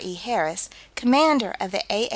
E. Harris, Commander of the A.H.